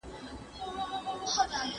¬ چي په ناز لوئېږي، په زيار زړېږي.